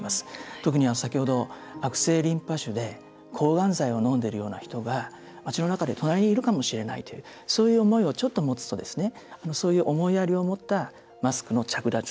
特に、先ほど悪性リンパ腫で抗がん剤をのんでいるような人が街の中で隣にいるかもしれないという思いをちょっとでも持つとそういう思いやりを持ったマスクの着脱。